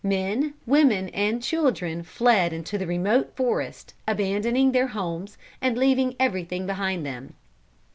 Men, women and children fled into the remote forest, abandoning their homes and leaving everything behind them.